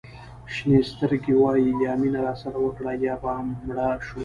شینې سترګې وایي یا مینه راسره وکړه یا به مړه شو.